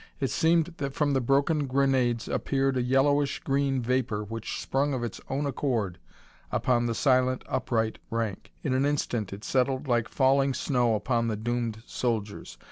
It seemed that from the broken grenades appeared a yellowish green vapor which sprung of its own accord upon the silent upright rank! In an instant it settled like falling snow upon the doomed soldiers.